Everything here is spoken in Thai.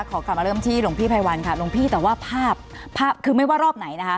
ขอกลับมาเริ่มที่หลวงพี่ไพวันค่ะหลวงพี่แต่ว่าภาพภาพคือไม่ว่ารอบไหนนะคะ